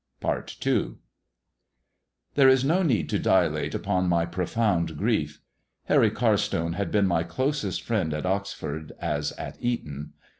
PART II THERE is no need to dilate upon my profound grief. Harry Carstone had been my closest friend at Oxford, as at Eton.